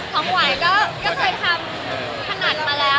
ของไหวก็เคยทำถนัดมาแล้ว